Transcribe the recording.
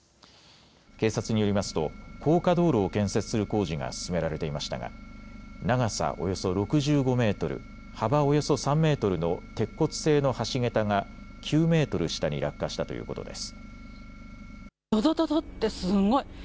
警察によりますと高架道路を建設する工事が進められていましたが長さおよそ６５メートル、幅およそ３メートルの鉄骨製の橋桁が９メートル下に落下したということです。